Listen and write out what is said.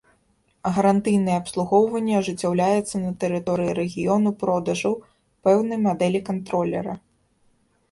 Гарантыйнае абслугоўванне ажыццяўляецца на тэрыторыі рэгіёну продажаў пэўнай мадэлі кантролера.